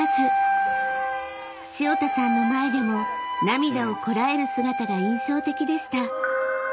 ［潮田さんの前でも涙をこらえる姿が印象的でした］